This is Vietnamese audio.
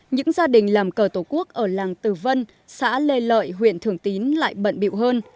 những gia đình làm cờ tổ quốc ở làng tử vân xã lê lợi huyện thường tín lại bận biệu hơn